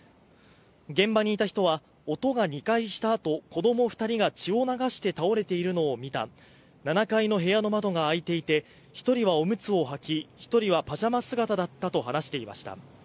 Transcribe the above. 現場にいた人は、音が２回したあと子供２人が血を流して倒れているのを見た、７階の部屋の窓が開いていて、１人はおむつをはき、１人はパジャマ姿だったと話していました。